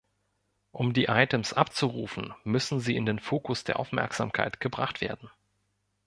Um die Items abzurufen müssen sie in den Fokus der Aufmerksamkeit gebracht werden.